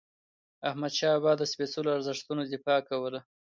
احمدشاه بابا د سپيڅلو ارزښتونو دفاع کوله.